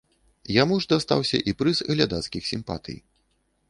Яму ж дастаўся і прыз глядацкіх сімпатый.